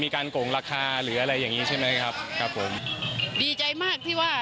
กงคลาภาอ่ะ